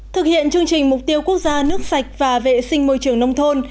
thực hiện chương trình mục tiêu quốc gia nước sạch và vệ sinh môi trường nông thôn